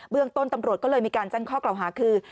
เรื่องต้นตำรวจก็เลยมีการแจ้งข้อกล่าวหาคือ